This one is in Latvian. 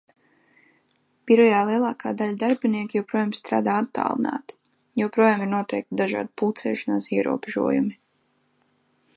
Birojā lielākā daļa darbinieku joprojām strādā attālināti. Joprojām ir noteikti dažādi pulcēšanās ierobežojumi.